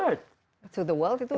untuk dunia itu sangat sangat besar